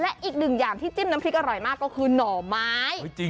และอีกหนึ่งอย่างที่จิ้มน้ำพริกอร่อยมากก็คือหน่อไม้